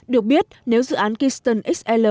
được biết nếu dự án keystone xl